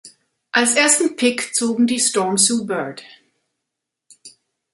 Als ersten Pick zogen die Storm Sue Bird.